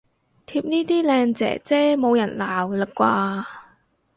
貼呢啲靚姐姐冇人鬧喇啩